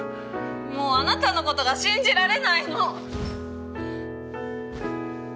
もうあなたのことが信じられないの！